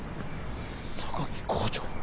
榊校長。